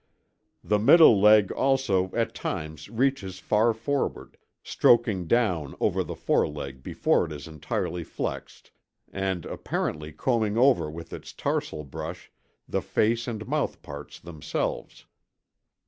The middle leg also at times reaches far forward, stroking down over the foreleg before it is entirely flexed and apparently combing over with its tarsal brush the face and mouthparts themselves.